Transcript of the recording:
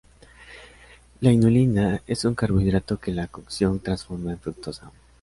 La inulina es un carbohidrato que la cocción transforma en fructosa.